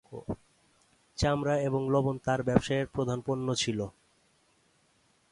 চামড়া এবং লবণ তার ব্যবসায়ের প্রধান পণ্য ছিল।